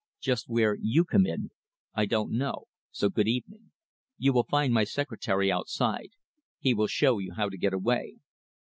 Just where you come in, I don't know, so good evening. You will find my secretary outside. He will show you how to get away."